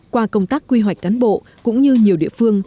qua công tác quy hoạch cán bộ cũng như nhiều địa phương